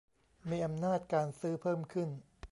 มีอำนาจการซื้อเพิ่มขึ้น